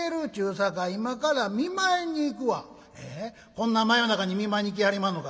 こんな真夜中に見舞いに行きはりまんのかいな。